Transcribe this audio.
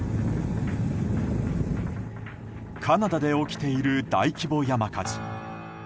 カナダで起きている大規模山火事。